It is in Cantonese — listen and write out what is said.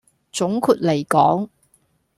總括黎講